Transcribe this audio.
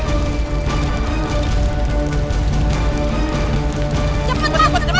enggak enggak gua harus ketemu sama clara